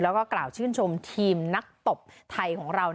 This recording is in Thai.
แล้วก็กล่าวชื่นชมทีมนักตบไทยของเรา